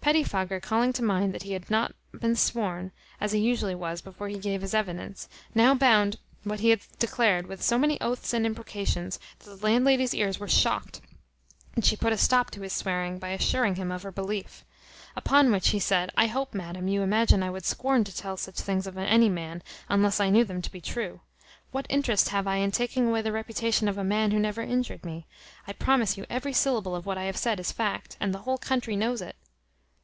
Petty fogger calling to mind that he had not been sworn, as he usually was, before he gave his evidence, now bound what he had declared with so many oaths and imprecations that the landlady's ears were shocked, and she put a stop to his swearing, by assuring him of her belief. Upon which he said, "I hope, madam, you imagine I would scorn to tell such things of any man, unless I knew them to be true. What interest have I in taking away the reputation of a man who never injured me? I promise you every syllable of what I have said is fact, and the whole country knows it."